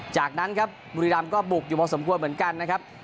จากนั้นครับบุรีรำก็บุกอยู่พอสมควรเหมือนกันนะครับ